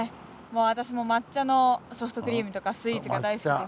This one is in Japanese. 私も抹茶のソフトクリームとかスイーツが大好きです。